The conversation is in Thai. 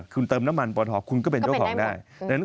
คุณเติมน้ำมันปทคุณก็เป็นเจ้าของได้